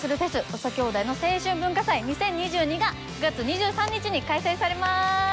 「土佐兄弟の青春文化祭２０２２」が９月２３日に開催されます。